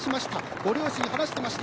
ご両親には話していました。